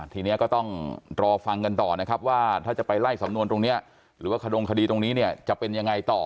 ทีนี้ก็ต้องรอฟังกันต่อนะครับว่าถ้าจะไปไล่สำนวนตรงนี้หรือว่าขดงคดีตรงนี้เนี่ยจะเป็นยังไงต่อ